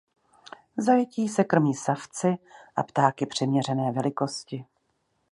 V zajetí se krmí savci a ptáky přiměřené velikosti.